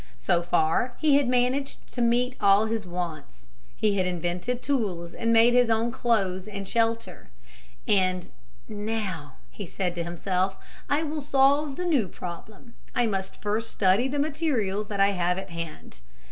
So far he had managed to meet all his wants. He had invented tools and made his own clothes and shelter, and, "Now," said he to himself, "I will solve the new problem. I must first study the materials that I have at hand."